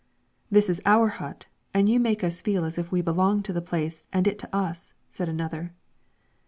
"This is our hut, and you make us feel as if we belonged to the place and it to us," said another.